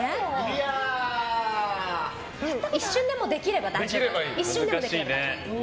一瞬でもできれば大丈夫です。